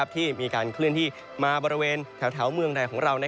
ที่มีการเคลื่อนที่มาบริเวณแถวเมืองไทยของเรา